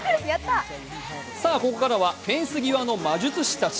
ここからはフェンス際の魔術師たち。